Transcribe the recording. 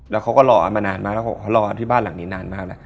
แล้วเขาก็รอกันมานานมากแล้วเขารอที่บ้านหลังนี้นานมากแล้ว